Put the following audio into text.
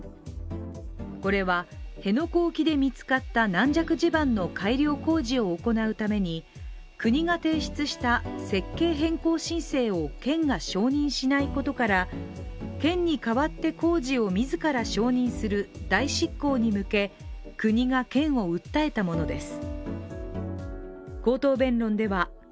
これは、辺野古沖で見つかった軟弱地盤の改良工事を行うために、国が提出した設計変更申請を県が承認しないことから県に代わって工事を自ら承認する移設反対の民意こそ公益として考慮されるべきと訴え、結審しました。